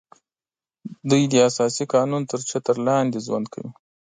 دوی د اساسي قانون تر چتر لاندې ژوند کوي